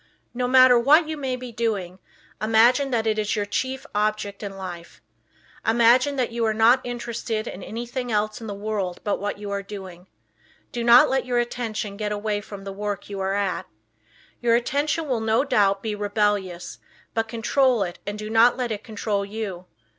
No matter what you may be doing, imagine that it is your chief object in life. Imagine you are not interested in anything else in the world but what you are doing. Do not let your attention get away from the work you are at. Your attention will no doubt be rebellious, but control it and do not let it control you.